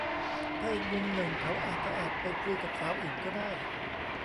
แต่อีกมุมหนึ่งเขาอาจจะแอบไปคุยกับสาวอื่นก็ได้